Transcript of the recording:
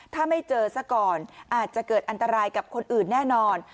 ถ้าไม่เจอซะก่อนอาจจะเกิดอันตรายกับคนอื่นแน่นอน